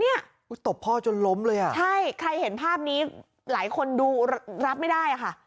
ตุ้ยตบพ่อจนล้มเลยอ่ะใช่ใครเห็นภาพนี้หลายคนดูรับไม่ได้อ่ะค่ะ